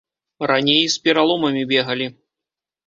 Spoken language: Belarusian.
Раней і з пераломамі бегалі.